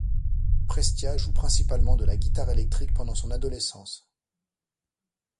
Prestia joue principalement de la guitare électrique pendant son adolescence.